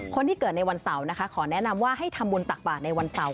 คนที่เกิดในวันเสาร์นะคะขอแนะนำว่าให้ทำบุญตักบาทในวันเสาร์